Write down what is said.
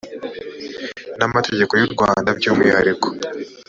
n amategeko y u rwanda by umwihariko